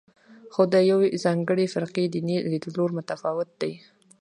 خو د یوې ځانګړې فرقې دیني لیدلوری متفاوت دی.